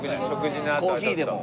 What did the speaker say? コーヒーでも。